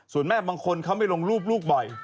ส่วนแม่บางคนเขาไม่ลงรูปลูกบ่อย